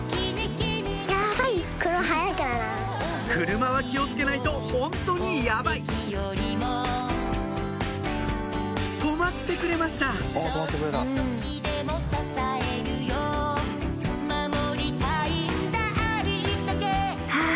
車は気を付けないとホントにやばい止まってくれましたはぁ。